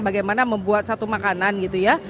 bagaimana membuat satu makanan gitu ya